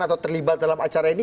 atau terlibat dalam acara ini